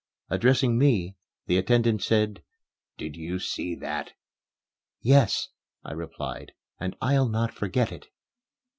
Addressing me, the attendant said, "Did you see that?" "Yes," I replied, "and I'll not forget it."